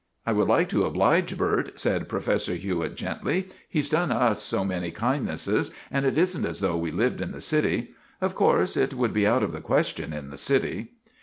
" I would like to oblige Bert," said Professor Hewitt gently. * He 's done us so many kindnesses. And it is n't as though we lived in the city. Of course, it would be out of the question in the city."